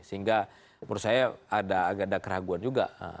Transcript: sehingga menurut saya ada agak agak keraguan juga